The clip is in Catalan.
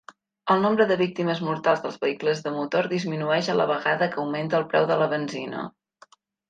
El nombre de víctimes mortals dels vehicles de motor disminueix a la vegada que augmenta el preu de la benzina.